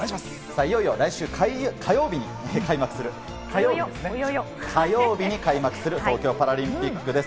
いよいよ来週火曜日に開幕する東京パラリンピックです。